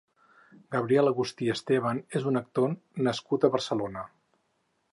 Gabriel Agustí Estevan és un actor nascut a Barcelona.